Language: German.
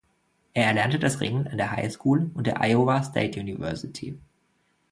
Er erlernte das Ringen an der High School und an der Iowa State University.